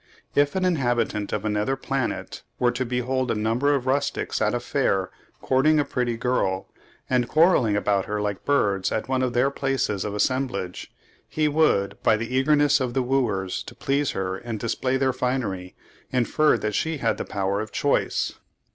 If an inhabitant of another planet were to behold a number of young rustics at a fair courting a pretty girl, and quarrelling about her like birds at one of their places of assemblage, he would, by the eagerness of the wooers to please her and to display their finery, infer that she had the power of choice.